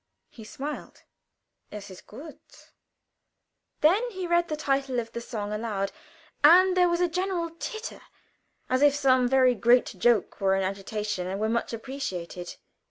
He smiled. "'S ist gut!" Then he read the title off the song aloud, and there was a general titter, as if some very great joke were in agitation, and were much appreciated.